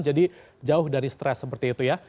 jadi jauh dari stres seperti itu ya